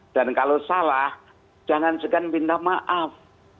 dan kalau salah jangan sekian minta maaf